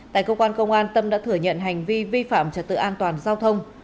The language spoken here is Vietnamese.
tại công an tp biên hòa tâm đã thử nhận hành vi vi phạm trật tự an toàn giao thông